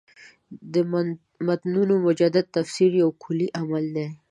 د متنونو مجدد تفسیر یو کُلي عمل دی.